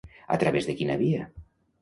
A través de quina via?